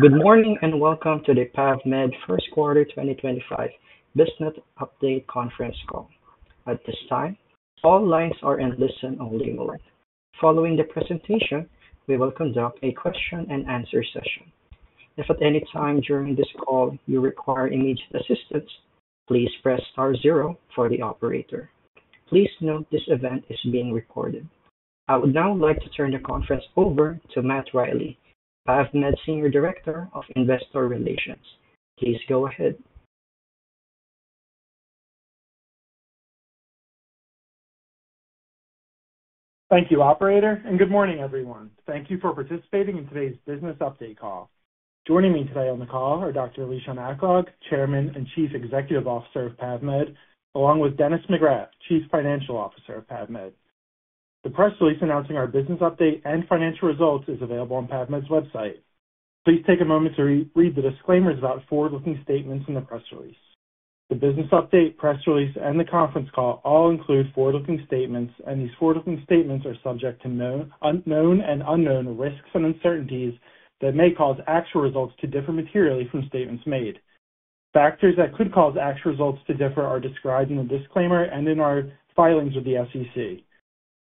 Good morning and welcome to the PAVmed first quarter 2025 business update conference call. At this time, all lines are in listen-only mode. Following the presentation, we will conduct a question-and-answer session. If at any time during this call you require immediate assistance, please press star zero for the operator. Please note this event is being recorded. I would now like to turn the conference over to Matt Riley, PAVmed Senior Director of Investor Relations. Please go ahead. Thank you, Operator, and good morning, everyone. Thank you for participating in today's business update call. Joining me today on the call are Dr. Lishan Aklog, Chairman and Chief Executive Officer of PAVmed, along with Dennis McGrath, Chief Financial Officer of PAVmed. The press release announcing our business update and financial results is available on PAVmed's website. Please take a moment to read the disclaimers about forward-looking statements in the press release. The business update, press release, and the conference call all include forward-looking statements, and these forward-looking statements are subject to known and unknown risks and uncertainties that may cause actual results to differ materially from statements made. Factors that could cause actual results to differ are described in the disclaimer and in our filings with the SEC.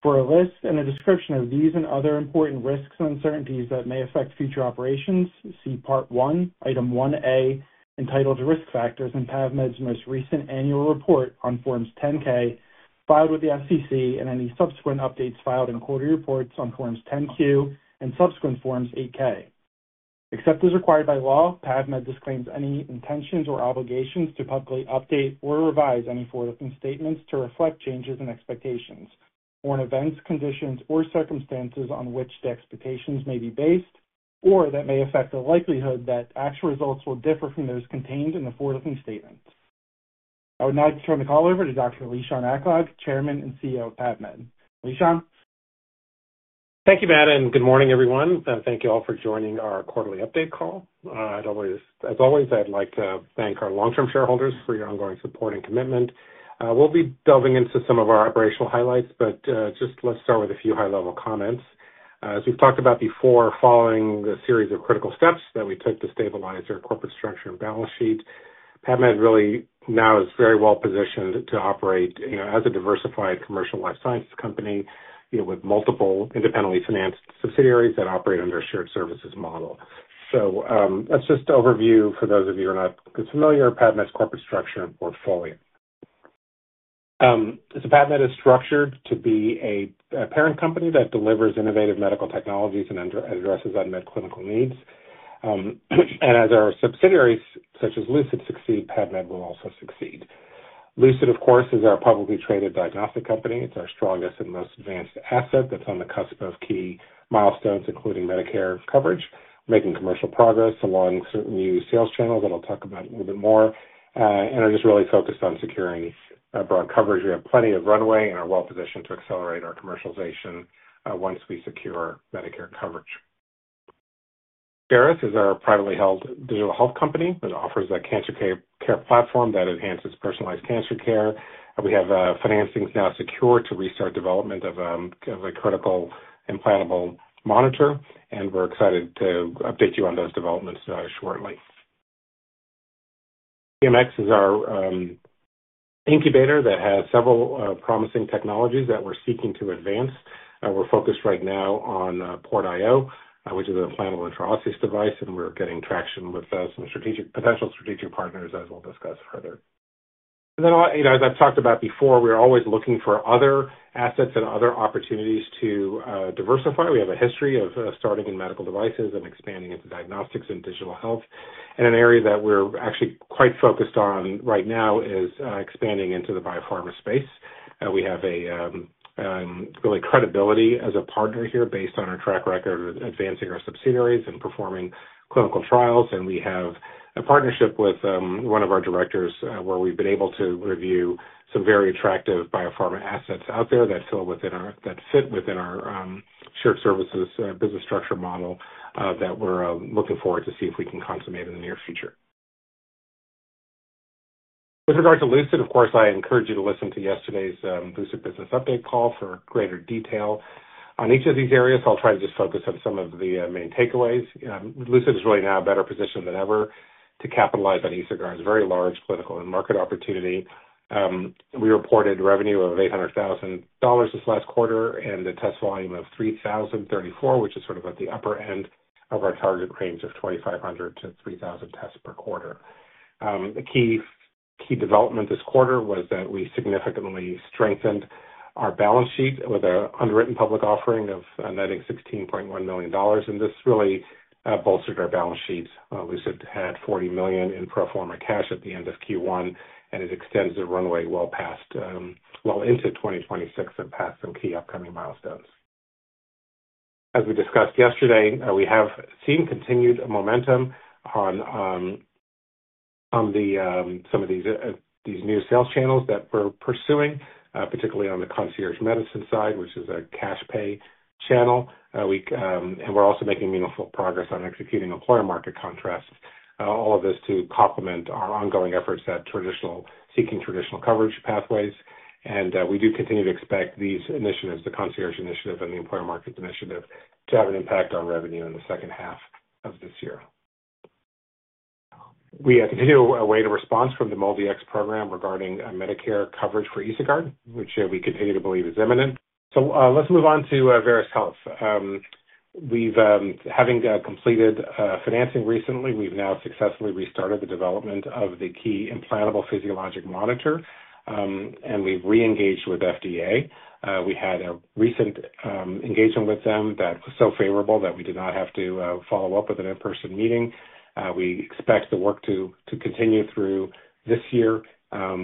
For a list and a description of these and other important risks and uncertainties that may affect future operations, see part one, item 1-A, entitled Risk Factors, in PAVmed's most recent annual report on Forms 10-K filed with the SEC and any subsequent updates filed in quarterly reports on Forms 10-Q and subsequent Forms 8-K. Except as required by law, PAVmed disclaims any intentions or obligations to publicly update or revise any forward-looking statements to reflect changes in expectations or in events, conditions, or circumstances on which the expectations may be based or that may affect the likelihood that actual results will differ from those contained in the forward-looking statements. I would now turn the call over to Dr. Lishan Aklog, Chairman and CEO of PAVmed. Lishan? Thank you, Matt, and good morning, everyone. Thank you all for joining our quarterly update call. As always, I'd like to thank our long-term shareholders for your ongoing support and commitment. We'll be delving into some of our operational highlights, but just let's start with a few high-level comments. As we've talked about before, following the series of critical steps that we took to stabilize our corporate structure and balance sheet, PAVmed really now is very well positioned to operate as a diversified commercial life sciences company with multiple independently financed subsidiaries that operate under a shared services model. That's just an overview for those of you who are not familiar with PAVmed's corporate structure and portfolio. PAVmed is structured to be a parent company that delivers innovative medical technologies and addresses unmet clinical needs. And as our subsidiaries, such as Lucid, succeed, PAVmed will also succeed. Lucid, of course, is our publicly traded diagnostic company. It's our strongest and most advanced asset that's on the cusp of key milestones, including Medicare coverage, making commercial progress along certain new sales channels that I'll talk about a little bit more, and are just really focused on securing broad coverage. We have plenty of runway and are well positioned to accelerate our commercialization once we secure Medicare coverage. Veris is our privately held digital health company that offers a cancer care platform that enhances personalized cancer care. We have financing now secured to restart development of a critical implantable monitor, and we're excited to update you on those developments shortly. PMX is our incubator that has several promising technologies that we're seeking to advance. We're focused right now on PortIO, which is an implantable intraosseous device, and we're getting traction with some potential strategic partners, as we'll discuss further. As I've talked about before, we're always looking for other assets and other opportunities to diversify. We have a history of starting in medical devices and expanding into diagnostics and digital health. An area that we're actually quite focused on right now is expanding into the biopharma space. We have really credibility as a partner here based on our track record of advancing our subsidiaries and performing clinical trials. We have a partnership with one of our directors where we've been able to review some very attractive biopharma assets out there that fit within our shared services business structure model that we're looking forward to see if we can consummate in the near future. With regard to Lucid, of course, I encourage you to listen to yesterday's Lucid business update call for greater detail. On each of these areas, I'll try to just focus on some of the main takeaways. Lucid is really now in a better position than ever to capitalize on EsoGuard's very large clinical and market opportunity. We reported revenue of $800,000 this last quarter and a test volume of 3,034, which is sort of at the upper end of our target range of 2,500-3,000 tests per quarter. A key development this quarter was that we significantly strengthened our balance sheet with an underwritten public offering netting $16.1 million. This really bolstered our balance sheet. Lucid had $40 million in pro forma cash at the end of Q1, and it extends the runway well into 2026 and past some key upcoming milestones. As we discussed yesterday, we have seen continued momentum on some of these new sales channels that we're pursuing, particularly on the concierge medicine side, which is a cash pay channel. We are also making meaningful progress on executing employer market contracts, all of this to complement our ongoing efforts at seeking traditional coverage pathways. We do continue to expect these initiatives, the concierge initiative and the employer market initiative, to have an impact on revenue in the second half of this year. We continue to await a response from the MolDX program regarding Medicare coverage for EsoGuard, which we continue to believe is imminent. Let's move on to Veris Health. Having completed financing recently, we've now successfully restarted the development of the key implantable physiologic monitor, and we've re-engaged with FDA. We had a recent engagement with them that was so favorable that we did not have to follow up with an in-person meeting. We expect the work to continue through this year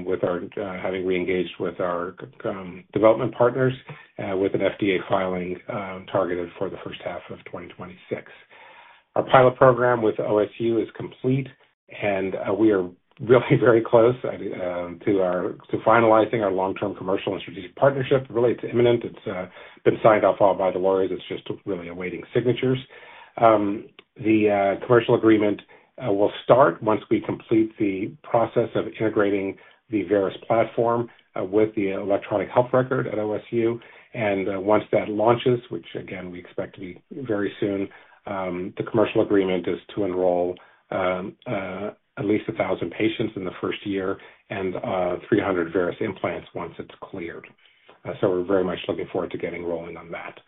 with our having re-engaged with our development partners, with an FDA filing targeted for the first half of 2026. Our pilot program with Ohio State University is complete, and we are really very close to finalizing our long-term commercial and strategic partnership. Really, it's imminent. It's been signed off all by the lawyers. It's just really awaiting signatures. The commercial agreement will start once we complete the process of integrating the Veris platform with the electronic health record at Ohio State University. Once that launches, which again, we expect to be very soon, the commercial agreement is to enroll at least 1,000 patients in the first year and 300 Veris implants once it's cleared. We're very much looking forward to getting rolling on that.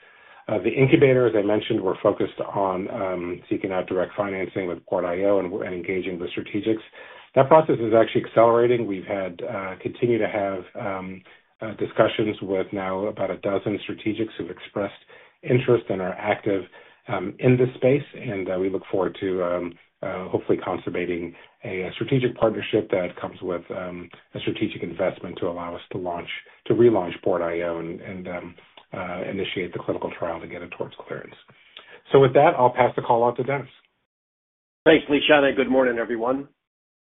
The incubator, as I mentioned, we're focused on seeking out direct financing with PortIO and engaging the strategics. That process is actually accelerating. We've continued to have discussions with now about a dozen strategics who've expressed interest and are active in this space, and we look forward to hopefully consummating a strategic partnership that comes with a strategic investment to allow us to relaunch PortIO and initiate the clinical trial to get it towards clearance. With that, I'll pass the call off to Dennis. Thanks, Lishan. Good morning, everyone.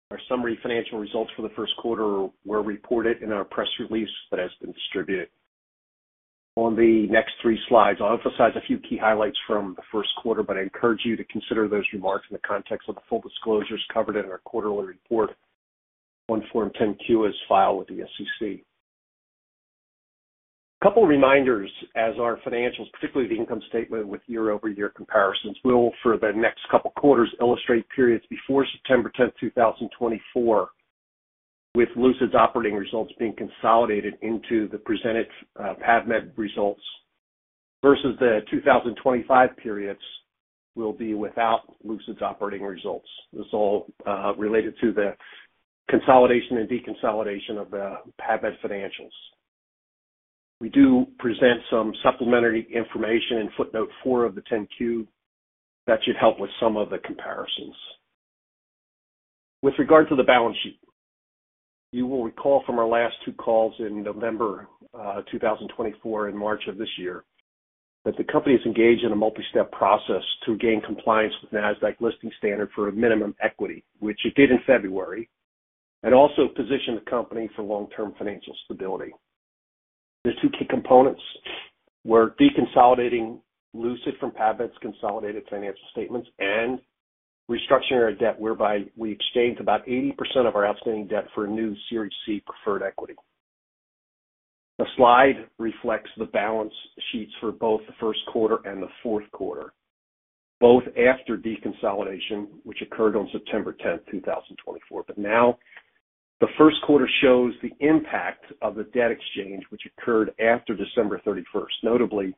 Our summary financial results for the first quarter were reported in our press release that has been distributed on the next three slides. I'll emphasize a few key highlights from the first quarter, but I encourage you to consider those remarks in the context of the full disclosures covered in our quarterly report. Form 10-Q is filed with the SEC. A couple of reminders, as our financials, particularly the income statement with year-over-year comparisons, will for the next couple of quarters illustrate periods before September 10th, 2024, with Lucid's operating results being consolidated into the presented PAVmed results versus the 2025 periods will be without Lucid's operating results. This is all related to the consolidation and deconsolidation of the PAVmed financials. We do present some supplementary information in footnote four of the 10-Q that should help with some of the comparisons. With regard to the balance sheet, you will recall from our last two calls in November 2024 and March of this year that the company has engaged in a multi-step process to gain compliance with NASDAQ listing standard for a minimum equity, which it did in February, and also positioned the company for long-term financial stability. There are two key components. We're deconsolidating Lucid from PAVmed's consolidated financial statements and restructuring our debt, whereby we exchanged about 80% of our outstanding debt for a new Series C preferred equity. The slide reflects the balance sheets for both the first quarter and the fourth quarter, both after deconsolidation, which occurred on September 10th, 2024. Now the first quarter shows the impact of the debt exchange, which occurred after December 31st, notably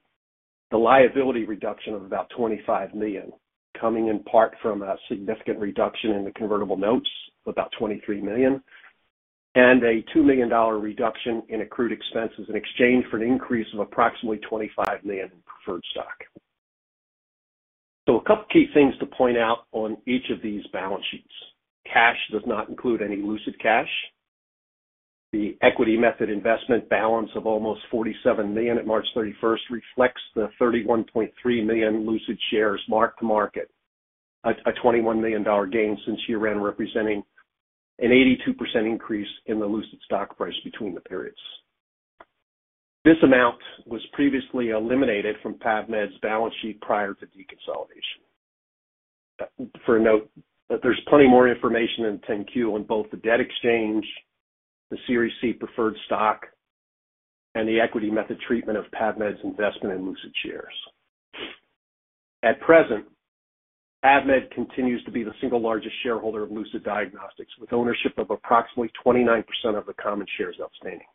the liability reduction of about $25 million, coming in part from a significant reduction in the convertible notes, about $23 million, and a $2 million reduction in accrued expenses in exchange for an increase of approximately $25 million in preferred stock. A couple of key things to point out on each of these balance sheets. Cash does not include any Lucid cash. The equity method investment balance of almost $47 million at March 31st reflects the $31.3 million Lucid shares marked to market, a $21 million gain since year-end, representing an 82% increase in the Lucid stock price between the periods. This amount was previously eliminated from PAVmed's balance sheet prior to deconsolidation. For a note, there's plenty more information in 10-Q on both the debt exchange, the Series C preferred stock, and the equity method treatment of PAVmed's investment in Lucid shares. At present, PAVmed continues to be the single largest shareholder of Lucid Diagnostics, with ownership of approximately 29% of the common shares outstanding.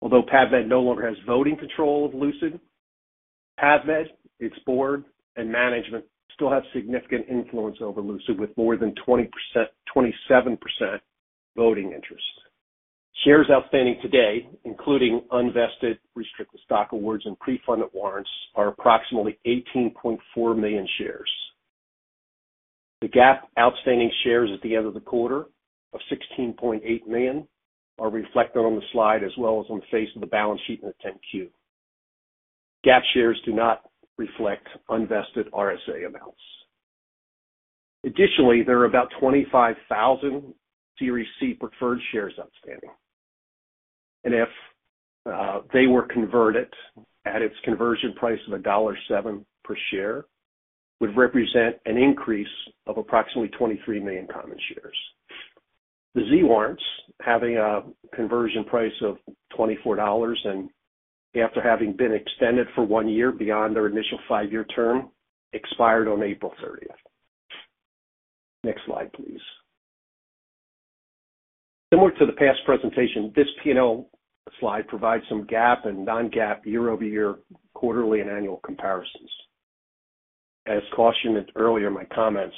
Although PAVmed no longer has voting control of Lucid, PAVmed, its board, and management still have significant influence over Lucid, with more than 27% voting interest. Shares outstanding today, including unvested restricted stock awards and pre-funded warrants, are approximately 18.4 million shares. The GAAP outstanding shares at the end of the quarter of 16.8 million are reflected on the slide as well as on the face of the balance sheet in the 10-Q. The GAAP shares do not reflect unvested RSA amounts. Additionally, there are about 25,000 Series C preferred shares outstanding. If they were converted at its conversion price of $1.07 per share, it would represent an increase of approximately 23 million common shares. The Z warrants, having a conversion price of $24 and after having been extended for one year beyond their initial five-year term, expired on April 30th. Next slide, please. Similar to the past presentation, this P&L slide provides some GAAP and non-GAAP year-over-year quarterly and annual comparisons. As cautioned earlier in my comments,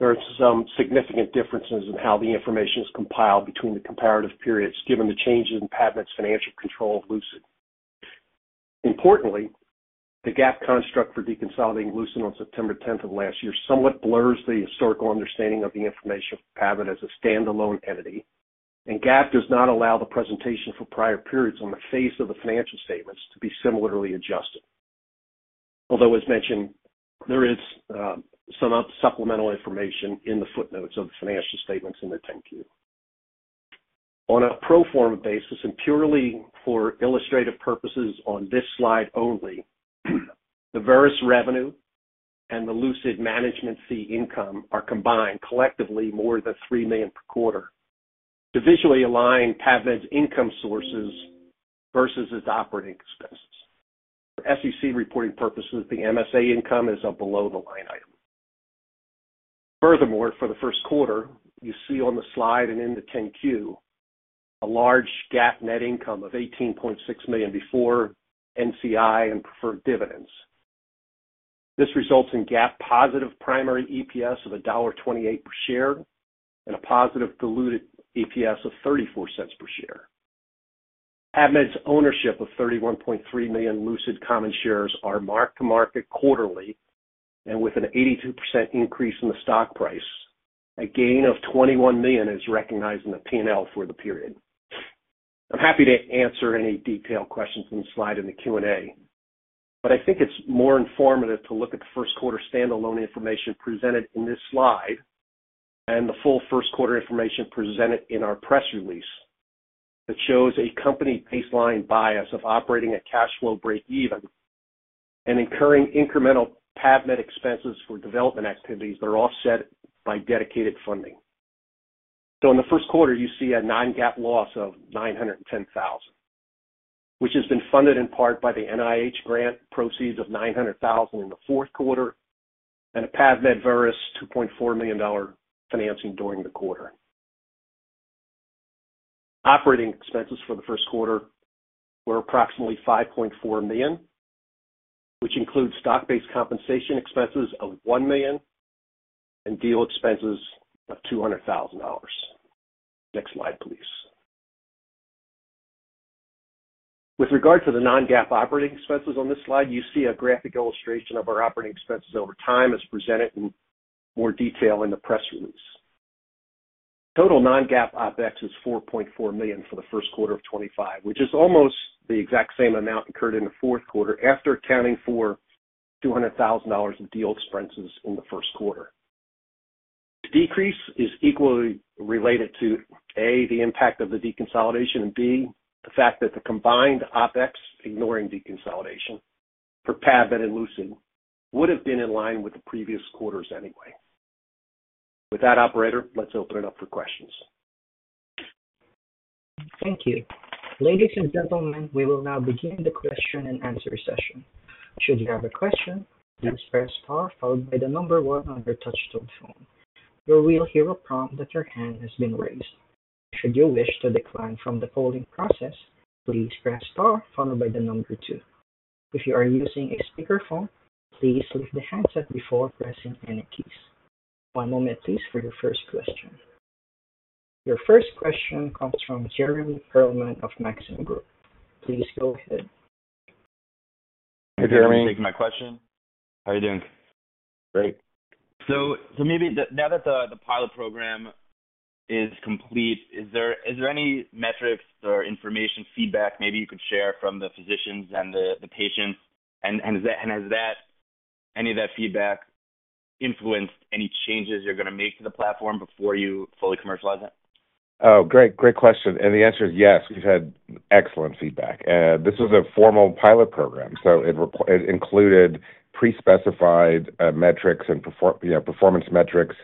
there are some significant differences in how the information is compiled between the comparative periods, given the changes in PAVmed's financial control of Lucid. Importantly, the GAAP construct for deconsolidating Lucid on September 10th of last year somewhat blurs the historical understanding of the information for PAVmed as a standalone entity. GAAP does not allow the presentation for prior periods on the face of the financial statements to be similarly adjusted. Although, as mentioned, there is some supplemental information in the footnotes of the financial statements in the 10-Q. On a pro forma basis, and purely for illustrative purposes on this slide only, the Veris revenue and the Lucid management fee income are combined collectively more than $3 million per quarter, to visually align PAVmed's income sources versus its operating expenses. For SEC reporting purposes, the MSA income is a below-the-line item. Furthermore, for the first quarter, you see on the slide and in the 10-Q, a large GAAP net income of $18.6 million before NCI and preferred dividends. This results in GAAP positive primary EPS of $1.28 per share and a positive diluted EPS of $0.34 per share. PAVmed's ownership of 31.3 million Lucid common shares are marked to market quarterly, and with an 82% increase in the stock price, a gain of $21 million is recognized in the P&L for the period. I'm happy to answer any detailed questions on the slide in the Q&A, but I think it's more informative to look at the first quarter standalone information presented in this slide and the full first quarter information presented in our press release that shows a company baseline bias of operating at cash flow break-even and incurring incremental PAVmed expenses for development activities that are offset by dedicated funding. In the first quarter, you see a non-GAAP loss of $910,000, which has been funded in part by the NIH grant proceeds of $900,000 in the fourth quarter and a PAVmed Veris $2.4 million financing during the quarter. Operating expenses for the first quarter were approximately $5.4 million, which includes stock-based compensation expenses of $1 million and deal expenses of $200,000. Next slide, please. With regard to the non-GAAP operating expenses on this slide, you see a graphic illustration of our operating expenses over time as presented in more detail in the press release. Total non-GAAP OpEx is $4.4 million for the first quarter of 2025, which is almost the exact same amount incurred in the fourth quarter after accounting for $200,000 of deal expenses in the first quarter. The decrease is equally related to, A, the impact of the deconsolidation, and B, the fact that the combined OpEx, ignoring deconsolidation, for PAVmed and Lucid would have been in line with the previous quarters anyway. With that, operator, let's open it up for questions. Thank you. Ladies and gentlemen, we will now begin the question and answer session. Should you have a question, please press star followed by the number one on your touchscreen phone. You will hear a prompt that your hand has been raised. Should you wish to decline from the polling process, please press star followed by the number two. If you are using a speakerphone, please lift the handset before pressing any keys. One moment, please, for your first question. Your first question comes from Jeremy Pearlman of Maxim Group. Please go ahead. Hi, Jeremy. Thanks for taking my question. How are you doing? Great. Maybe now that the pilot program is complete, is there any metrics or information feedback maybe you could share from the physicians and the patients? Has any of that feedback influenced any changes you're going to make to the platform before you fully commercialize it? Oh, great. Great question. The answer is yes. We've had excellent feedback. This was a formal pilot program, so it included pre-specified metrics and performance metrics,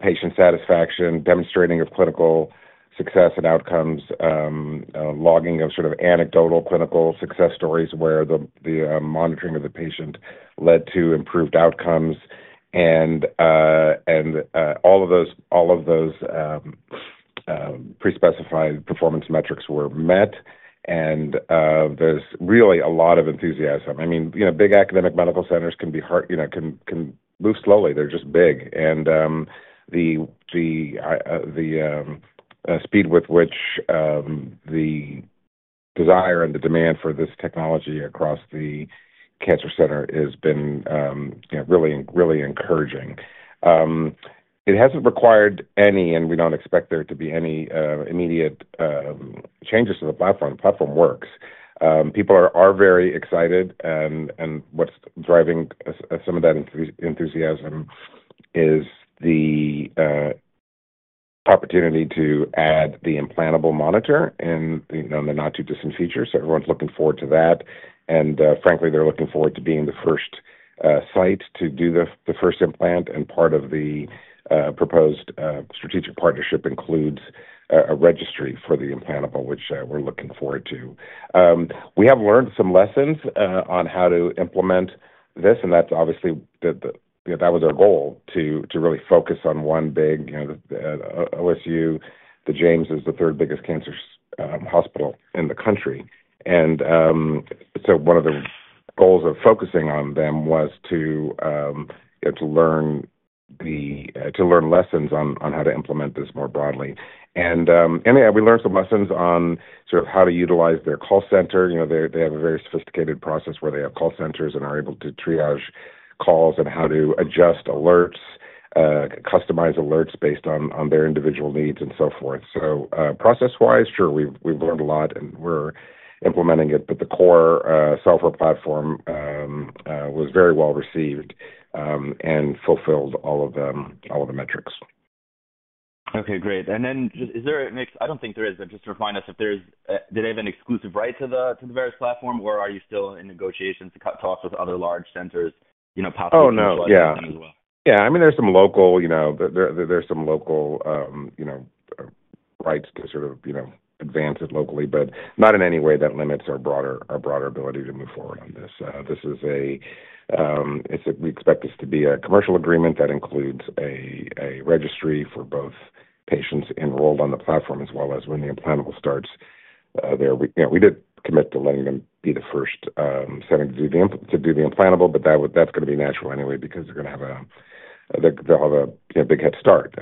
patient satisfaction, demonstrating of clinical success and outcomes, logging of sort of anecdotal clinical success stories where the monitoring of the patient led to improved outcomes. All of those pre-specified performance metrics were met, and there's really a lot of enthusiasm. I mean, big academic medical centers can move slowly. They're just big. The speed with which the desire and the demand for this technology across the cancer center has been really encouraging. It hasn't required any, and we don't expect there to be any immediate changes to the platform. The platform works. People are very excited, and what's driving some of that enthusiasm is the opportunity to add the implantable monitor in the not-too-distant future. Everyone's looking forward to that. Frankly, they're looking forward to being the first site to do the first implant. Part of the proposed strategic partnership includes a registry for the implantable, which we're looking forward to. We have learned some lessons on how to implement this, and that was our goal, to really focus on one big OSU. The James is the third biggest cancer hospital in the country. One of the goals of focusing on them was to learn lessons on how to implement this more broadly. We learned some lessons on sort of how to utilize their call center. They have a very sophisticated process where they have call centers and are able to triage calls and how to adjust alerts, customize alerts based on their individual needs, and so forth. Process-wise, sure, we've learned a lot, and we're implementing it, but the core software platform was very well received and fulfilled all of the metrics. Okay. Great. Is there a mix? I don't think there is. Just to refine us, did they have an exclusive right to the Veris platform, or are you still in negotiations to cut talks with other large centers possibly to do something as well? Oh, no. Yeah. Yeah. I mean, there's some local rights to sort of advance it locally, but not in any way that limits our broader ability to move forward on this. This is a we expect this to be a commercial agreement that includes a registry for both patients enrolled on the platform as well as when the implantable starts. We did commit to letting them be the first setting to do the implantable, but that's going to be natural anyway because they're going to have a they'll have a big head start.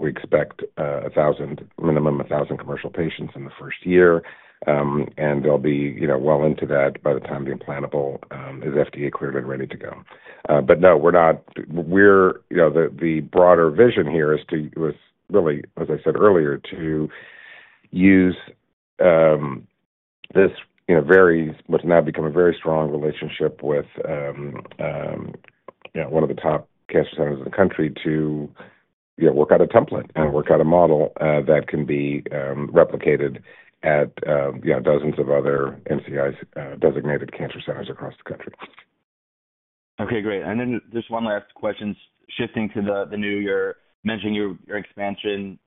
We expect 1,000, minimum 1,000 commercial patients in the first year, and they'll be well into that by the time the implantable is FDA cleared and ready to go. No, we're not. The broader vision here is to, really, as I said earlier, to use this very, what's now become a very strong relationship with one of the top cancer centers in the country to work out a template and work out a model that can be replicated at dozens of other NCI-designated cancer centers across the country. Okay. Great. And then just one last question, shifting to the new year, mentioning your expansion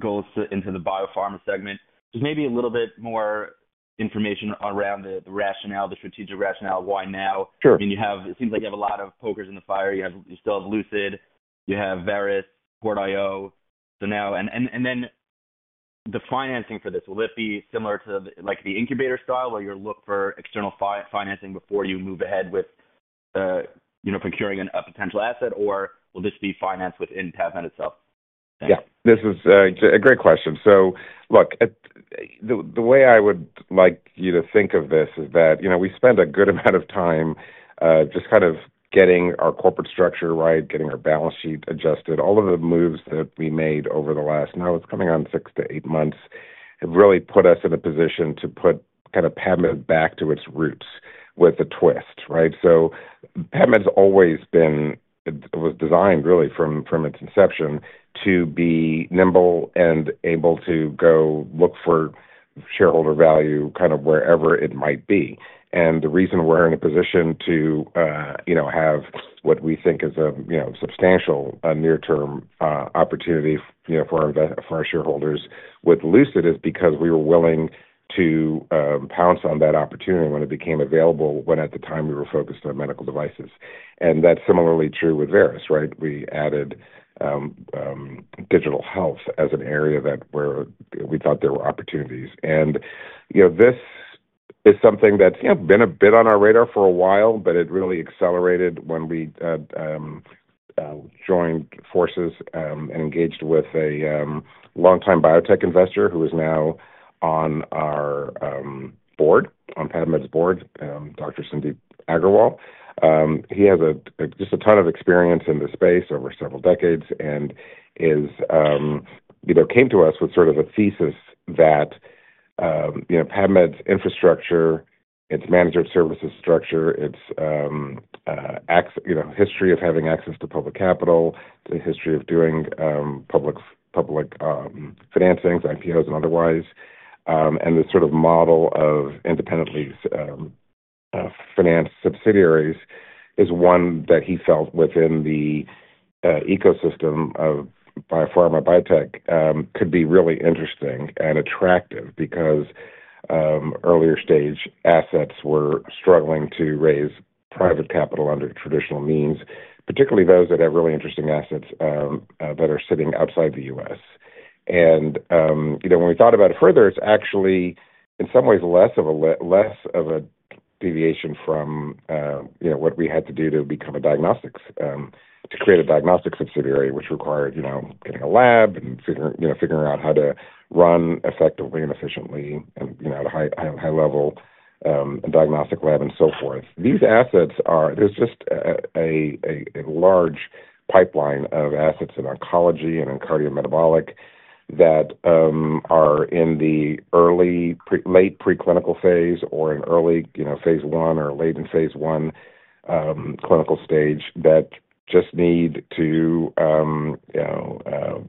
goals into the biopharma segment. Just maybe a little bit more information around the rationale, the strategic rationale, why now. I mean, it seems like you have a lot of pokers in the fire. You still have Lucid. You have Veris, PortIO. And then the financing for this, will it be similar to the incubator style where you'll look for external financing before you move ahead with procuring a potential asset, or will this be financed within PAVmed itself? Yeah. This is a great question. Look, the way I would like you to think of this is that we spend a good amount of time just kind of getting our corporate structure right, getting our balance sheet adjusted. All of the moves that we made over the last, now it's coming on six to eight months, have really put us in a position to put kind of PAVmed back to its roots with a twist, right? PAVmed has always been designed really from its inception to be nimble and able to go look for shareholder value kind of wherever it might be. The reason we're in a position to have what we think is a substantial near-term opportunity for our shareholders with Lucid is because we were willing to pounce on that opportunity when it became available when at the time we were focused on medical devices. That is similarly true with Veris, right? We added digital health as an area where we thought there were opportunities. This is something that's been a bit on our radar for a while, but it really accelerated when we joined forces and engaged with a longtime biotech investor who is now on our board, on PAVmed's board, Dr. Cindy Aklog. He has just a ton of experience in the space over several decades and came to us with sort of a thesis that PAVmed's infrastructure, its management services structure, its history of having access to public capital, the history of doing public financings, IPOs, and otherwise, and the sort of model of independently financed subsidiaries is one that he felt within the ecosystem of biopharma biotech could be really interesting and attractive because earlier stage assets were struggling to raise private capital under traditional means, particularly those that have really interesting assets that are sitting outside the U.S. When we thought about it further, it's actually in some ways less of a deviation from what we had to do to create a diagnostics subsidiary, which required getting a lab and figuring out how to run effectively and efficiently and at a high-level diagnostic lab and so forth. These assets are, there's just a large pipeline of assets in oncology and in cardiometabolic that are in the early, late preclinical phase or in early phase I or late in phase I clinical stage that just need to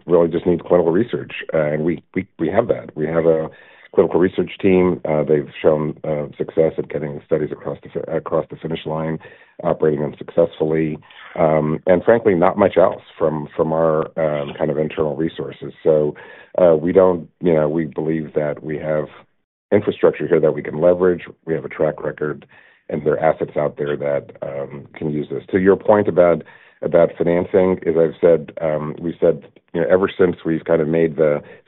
really just need clinical research. We have that. We have a clinical research team. They've shown success at getting studies across the finish line, operating them successfully, and frankly, not much else from our kind of internal resources. We believe that we have infrastructure here that we can leverage. We have a track record, and there are assets out there that can use this. To your point about financing, as I've said, we've said ever since we've kind of made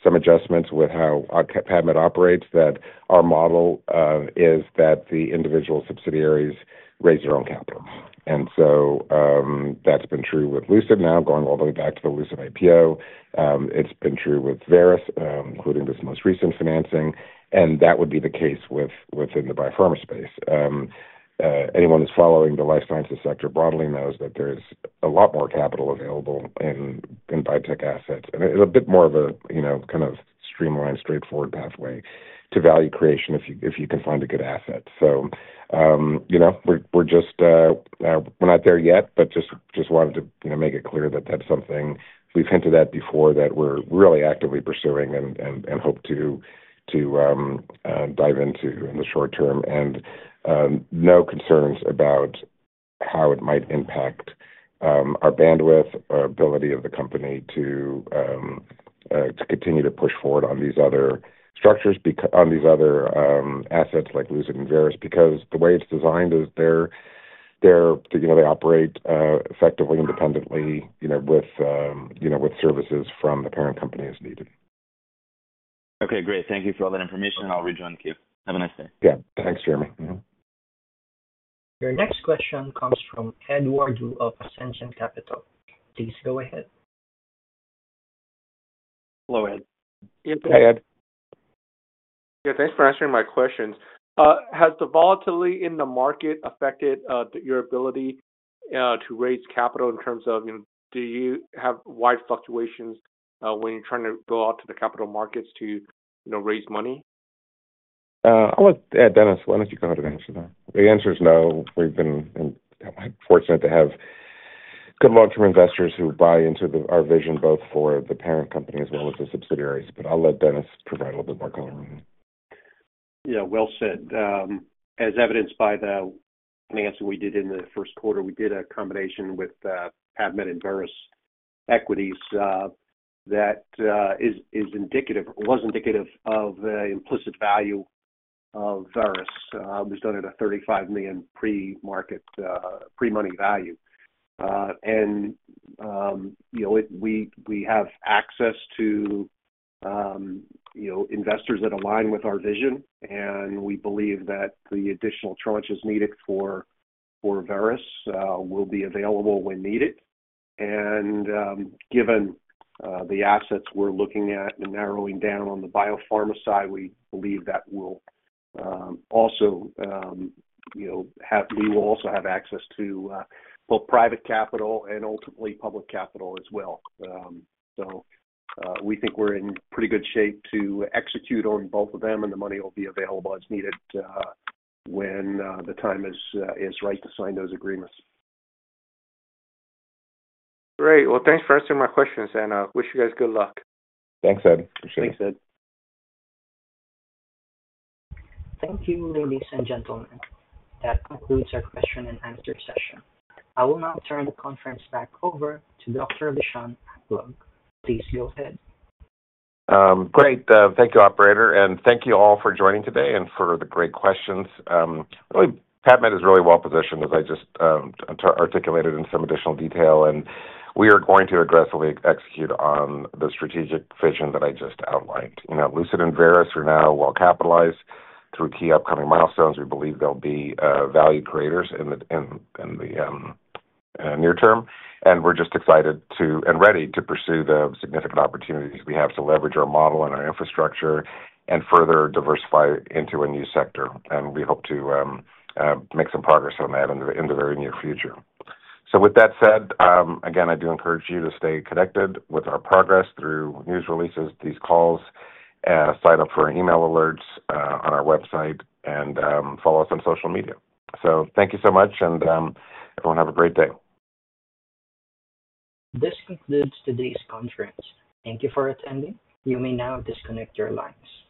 some adjustments with how PAVmed operates that our model is that the individual subsidiaries raise their own capital. That has been true with Lucid now going all the way back to the Lucid IPO. It has been true with Veris, including this most recent financing, and that would be the case within the biopharma space. Anyone who's following the life sciences sector broadly knows that there's a lot more capital available in biotech assets. It is a bit more of a kind of streamlined, straightforward pathway to value creation if you can find a good asset. We're just not there yet, but just wanted to make it clear that that's something we've hinted at before that we're really actively pursuing and hope to dive into in the short term. No concerns about how it might impact our bandwidth, our ability of the company to continue to push forward on these other structures, on these other assets like Lucid and Veris, because the way it's designed is they operate effectively, independently with services from the parent company as needed. Okay. Great. Thank you for all that information. I'll rejoin you. Have a nice day. Yeah. Thanks, Jeremy. Your next question comes from Edward Woo of Ascendiant Capital. Please go ahead. Hello, Ed. Hey, Ed. Yeah. Thanks for answering my questions. Has the volatility in the market affected your ability to raise capital in terms of do you have wide fluctuations when you're trying to go out to the capital markets to raise money? I want to add, Dennis, why don't you go ahead and answer that? The answer is no. We've been fortunate to have good long-term investors who buy into our vision both for the parent company as well as the subsidiaries. I'll let Dennis provide a little bit more color on that. Yeah. Well said. As evidenced by the financing we did in the first quarter, we did a combination with PAVmed and Veris equities that was indicative of the implicit value of Veris. It was done at a $35 million pre-money value. We have access to investors that align with our vision, and we believe that the additional tranches needed for Veris will be available when needed. Given the assets we're looking at and narrowing down on the biopharma side, we believe that we will also have access to both private capital and ultimately public capital as well. We think we're in pretty good shape to execute on both of them, and the money will be available as needed when the time is right to sign those agreements. Great. Thanks for answering my questions, and I wish you guys good luck. Thanks, Ed. Appreciate it. Thanks, Ed. Thank you, ladies and gentlemen. That concludes our question-and-answer session. I will now turn the conference back over to Dr. Lishan Aklog. Please go ahead. Great. Thank you, operator. Thank you all for joining today and for the great questions. Really, PAVmed is really well positioned, as I just articulated in some additional detail, and we are going to aggressively execute on the strategic vision that I just outlined. Lucid and Veris are now well capitalized through key upcoming milestones. We believe they'll be value creators in the near term. We're just excited and ready to pursue the significant opportunities we have to leverage our model and our infrastructure and further diversify into a new sector. We hope to make some progress on that in the very near future. With that said, again, I do encourage you to stay connected with our progress through news releases, these calls, sign up for email alerts on our website, and follow us on social media. Thank you so much, and everyone have a great day. This concludes today's conference. Thank you for attending. You may now disconnect your lines.